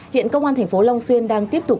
hiện công an thành phố long xuyên đang tiếp tục